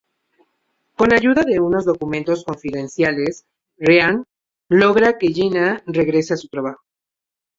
Con ayuda de unos documentos confidenciales, Ryan logra que Jenna regrese a su trabajo.